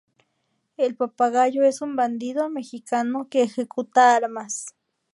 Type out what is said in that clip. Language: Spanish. El Papagayo es un bandido mexicano que ejecuta armas.